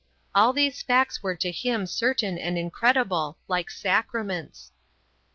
All these facts were to him certain and incredible, like sacraments.